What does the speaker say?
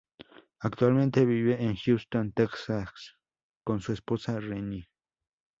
Actualmente vive en Houston, Texas con su esposa Rennie.